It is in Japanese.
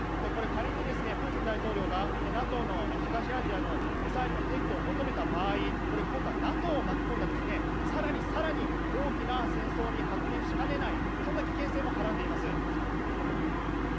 仮にプーチン大統領がＮＡＴＯの東アジアのミサイルの撤去を求めた場合、今度はＮＡＴＯを巻き込んで更に更に大きな戦争に発展しかねない危険性もはらんでいます。